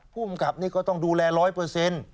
ภูมิกับนี่ก็ต้องดูแลร้อยเปอร์เซ็นต์